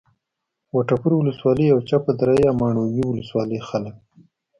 وټپور ولسوالي او چپه دره یا ماڼوګي ولسوالۍ خلک